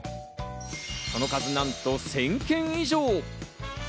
その数、なんと１０００軒以上。